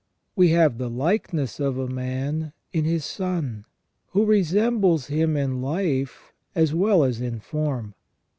We have the likeness of a man in his son, who resembles him in life as well as in form.